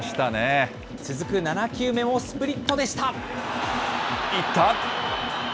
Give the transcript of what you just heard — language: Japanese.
続く７球目もスプリットでしいった？